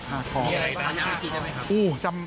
มีอะไรต่างจากนี้ใช่ไหมครับ